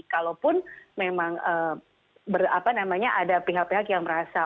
kalaupun memang ada pihak pihak yang merasa